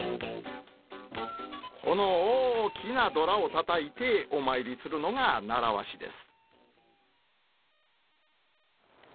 この大きなドラをたたいてお参りするのが習わしです。